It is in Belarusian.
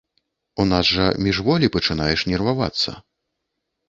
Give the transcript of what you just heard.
У нас жа міжволі пачынаеш нервавацца.